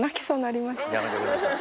やめてください。